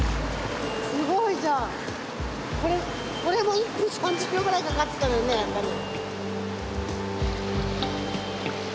すごいじゃん。これも１分３０秒ぐらいかかってたのにね明香里。